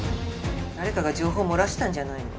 誰かが情報漏らしたんじゃないの？